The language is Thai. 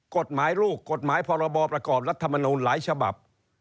กฎหมายลูกกฎหมายพรบประกอบรัฐมนูลหลายฉบับ